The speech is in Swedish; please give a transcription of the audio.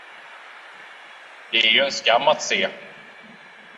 Det är ju en skam att se.